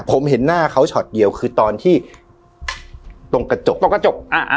ผมเห็นหน้าเขาชอตเดียวคือตอนที่ตรงกระจก